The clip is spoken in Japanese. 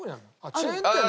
チェーン店なの？